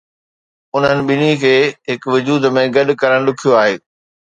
انهن ٻنهي کي هڪ وجود ۾ گڏ ڪرڻ ڏکيو آهي.